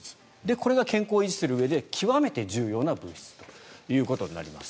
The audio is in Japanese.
これが健康を維持するうえで極めて重要な物質ということになります。